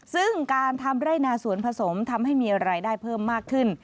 ซึ่งการทำไร่นาสวนผสมทำให้มีรายได้เพิ่มมากขึ้น